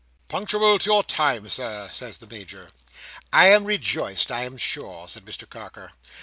"Punctual to your time, Sir," says the Major. "I am rejoiced, I am sure," says Mr Carker.